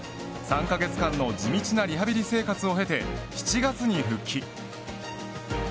３カ月間の地道なリハビリ生活をへて７月に復帰。